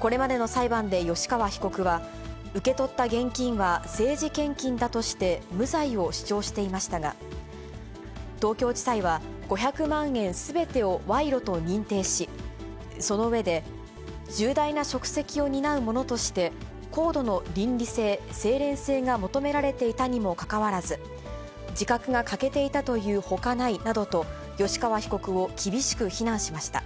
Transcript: これまでの裁判で吉川被告は、受け取った現金は政治献金だとして、無罪を主張していましたが、東京地裁は５００万円すべてを賄賂と認定し、その上で、重大な職責を担う者として、高度の倫理性、清廉性が求められていたにもかかわらず、自覚が欠けていたというほかないなどと、吉川被告を厳しく非難しました。